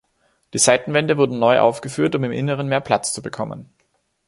Die Seitenwände wurden neu aufgeführt, um im Inneren mehr Platz zu bekommen.